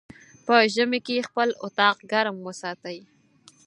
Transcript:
په ژمی کی خپل اطاق ګرم وساتی